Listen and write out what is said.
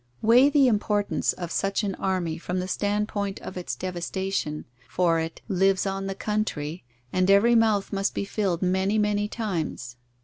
Weigh the importance of such an army from the standpoint of its devastation, for it "lives on the country" and every mouth must be filled many, many times!